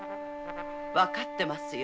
わかってますよ。